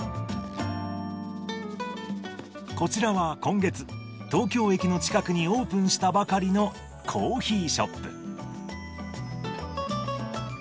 こちらは今月、東京駅の近くにオープンしたばかりのコーヒーショップ。